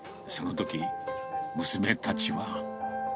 そのとき、娘たちは。